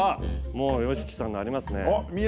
もうＹＯＳＨＩＫＩさんがありますね。